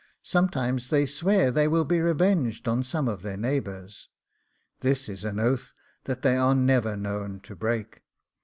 Sometimes they swear they will be revenged on some of their neighbours; this is an oath that they are never known to break.